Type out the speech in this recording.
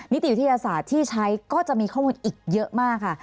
นิติวิทยาศาสตร์ที่ใช้ก็จะมีข้อมูลอีกเยอะมากค่ะ